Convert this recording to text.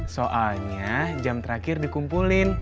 soalnya jam terakhir dikumpulin